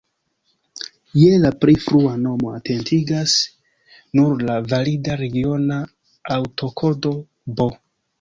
Je la pli frua nomo atentigas nur la valida regiona aŭtokodo "B".